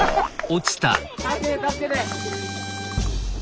助けて助けて。